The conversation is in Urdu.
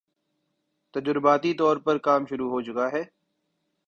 تجرباتی طور پر کام شروع ہو چکا ہے